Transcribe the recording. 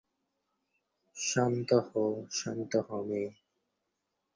শান্ত হ, শান্ত হ মেয়ে।